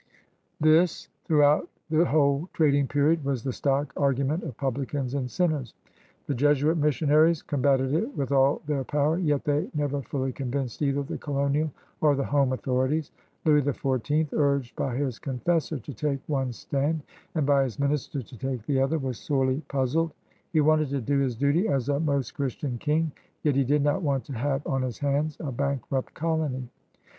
This, throughout the whole trading period, was the stock argument of publicans and sinners. The Jesuit missionaries combated it with all their power; yet they never fully convinced either the colonial or the home authorities. Louis XIV, urged by his confessor to take one stand and by his ministers to take the otiier, was sorely puzzled. He wanted to do his duty as a Most Christian King, yet he did not want to have on his hands a bankrupt colony.